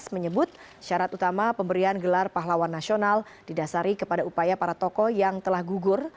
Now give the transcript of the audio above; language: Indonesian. menyebut syarat utama pemberian gelar pahlawan nasional didasari kepada upaya para tokoh yang telah gugur